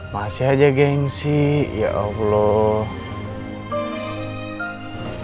masih aja geng sih ya allah